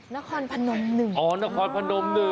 นครพนม๑อ๋อนครพนม๑